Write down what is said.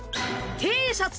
Ｔシャツ！